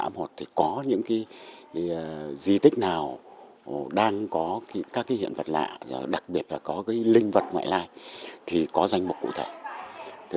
thị xã một có những di tích nào đang có các hiện vật lạ đặc biệt là có linh vật ngoại lai thì có danh mục cụ thể